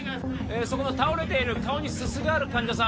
そこの倒れている顔にすすがある患者さん